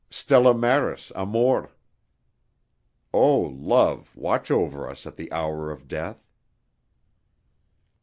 Stella Maris, Amor. Oh, Love, watch over us at the hour of death!...